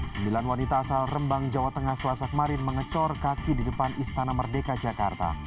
sembilan wanita asal rembang jawa tengah selasa kemarin mengecor kaki di depan istana merdeka jakarta